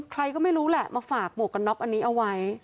ใครก็ไม่รู้แหละมาฝากหมวกกันน็อกอันนี้เอาไว้